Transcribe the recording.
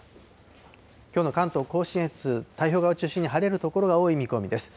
きょうの関東甲信越、太平洋側を中心に晴れる所が多い見込みです。